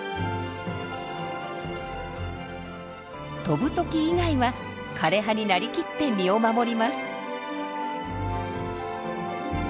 飛ぶとき以外は枯れ葉に成りきって身を守ります。